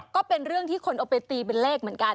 ก็เป็นเรื่องที่คนเอาไปตีเป็นเลขเหมือนกัน